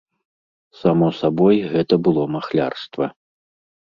Само сабой, гэта было махлярства.